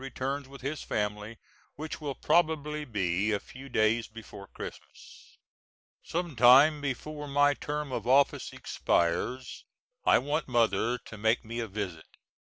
returns with his family, which will probably be a few days before Christmas. Sometime before my term of office expires I want Mother to make me a visit.